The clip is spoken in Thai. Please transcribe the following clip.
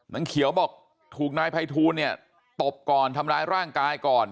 นางเขียวบอกถูกนายภัยทูลเนี่ยตบก่อนทำร้ายร่างกายก่อน